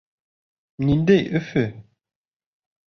Ниндәй Өфө?